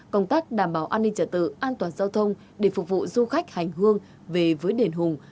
công tác đảm bảo an ninh trả tự an toàn giao thông để phục vụ du khách hành hương về với đền hùng